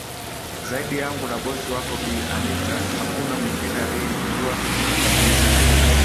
zaidi yangu na bosi wako bi anita hakuna mwingine aliyejua kuna tatizo